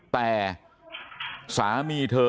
แต่สามีเธอ